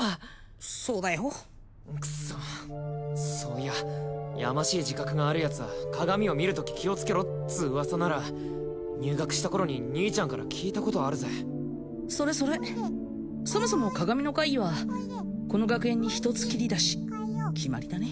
そうだよクッソそういややましい自覚があるやつは鏡を見る時気をつけろっつう噂なら入学した頃に兄ちゃんから聞いたことあるぜそれそれそもそもほれ鏡の怪異はこの学園においこれ一つきりだし決まりだね